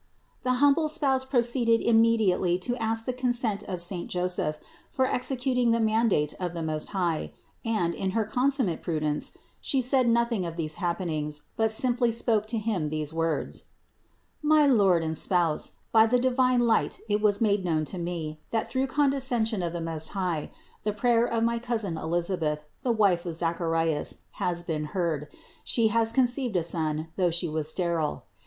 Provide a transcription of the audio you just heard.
194. The humble Spouse proceeded immediately to ask the consent of saint Joseph for executing the man date of the Most High, and, in her consummate prudence, She said nothing of these happenings, but simply spoke to him these words : "My lord and spouse, by the divine light it was made known to me, that through condescen sion of the Most High the prayer of my cousin Elisabeth, the wife of Zacharias, has been heard ; she has conceived a son, though she was sterile.